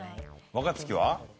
若槻は？